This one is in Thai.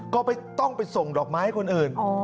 ก็ต้องไปส่งดอกไม้ให้คนอื่น